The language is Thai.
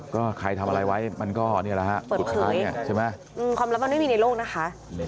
ก็ใครทำอะไรไว้มันก็เปิดเผยความลับมันไม่มีในโลกนะคะ